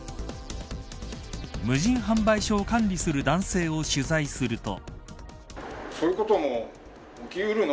無人販売所を管理する男性を取材すると。